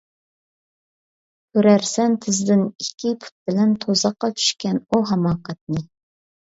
كۆرەرسەن تېزدىن: ئىككى پۇت بىلەن، تۇزاققا چۈشكەن ئۇ ھاماقەتنى.